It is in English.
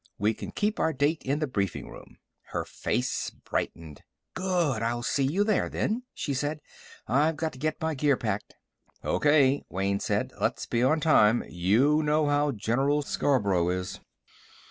We can keep our date in the briefing room." Her face brightened. "Good! I'll see you there, then," she said. "I've got to get my gear packed." "Okay," Wayne said. "Let's be on time, you know how General Scarborough is."